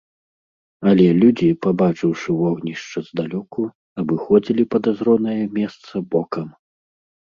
Але людзі, пабачыўшы вогнішча здалёку, абыходзілі падазронае месца бокам.